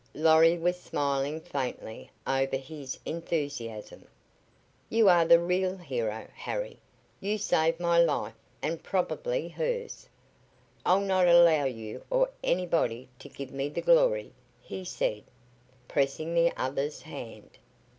Lorry was smiling faintly over his enthusiasm. "You are the real hero, Harry, You saved my life and probably hers. I'll not allow you or anybody to give me the glory," he said, pressing the other's hand.